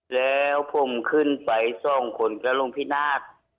แล้วผมขึ้นไปสองคนแล้วลงพินาศ